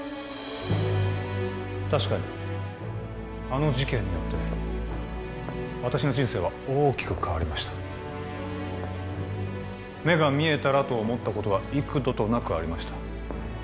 確かにあの事件によって私の人生は大きく変わりました目が見えたらと思ったことは幾度となくありました